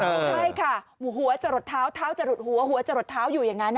ใช่ค่ะหัวจะหลดเท้าเท้าจะหลุดหัวหัวจะหลดเท้าอยู่อย่างนั้น